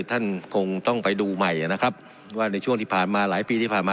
ท่านคงต้องไปดูใหม่นะครับว่าในช่วงที่ผ่านมาหลายปีที่ผ่านมา